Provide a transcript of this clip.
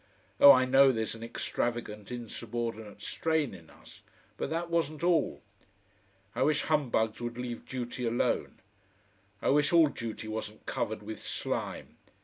Oh! I know there's an extravagant insubordinate strain in us, but that wasn't all. I wish humbugs would leave duty alone. I wish all duty wasn't covered with slime.